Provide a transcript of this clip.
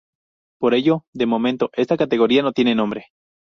Por ello, de momento esta categoría no tiene nombre.